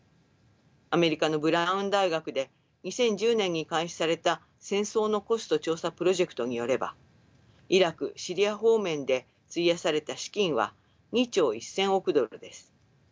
アメリカのブラウン大学で２０１０年に開始された戦争のコスト調査プロジェクトによればイラクシリア方面で費やされた資金は２兆１，０００億ドルです。